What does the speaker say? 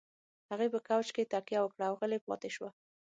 هغې په کاوچ کې تکيه وکړه او غلې پاتې شوه.